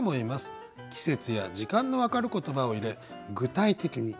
季節や時間のわかる言葉を入れ具体的に。